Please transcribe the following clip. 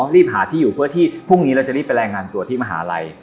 รีบหาที่อยู่เพื่อที่พรุ่งนี้เราจะรีบไปรายงานตัวที่มหาลัย